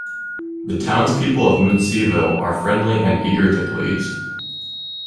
The townspeople of Munsieville are friendly and eager to please.